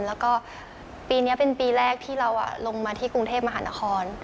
แล้วก็ปีนี้เป็นปีแรกที่เราลงมาที่กรุงเทพมหานคร